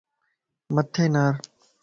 مٿي نار